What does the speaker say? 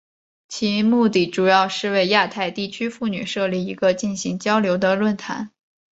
其目的主要是为亚太地区妇女设立一个进行交流的论坛。